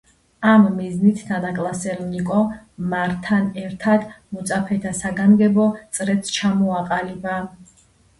ამ მიზნით თანაკლასელ ნიკო მართან ერთად მოწაფეთა საგანგებო წრეც ჩამოაყალიბა.